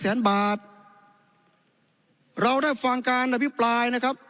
แสนบาทเราได้ฟังการอภิปรายนะครับ